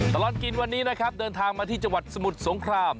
ตลอดกินวันนี้นะครับเดินทางมาที่จังหวัดสมุทรสงคราม